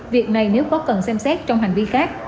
việc này nếu có cần xem xét trong hành vi khác